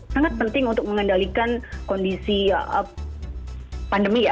sangat penting untuk mengendalikan kondisi pandemi ya